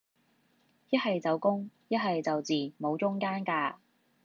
一係就公,一係就字,無中間架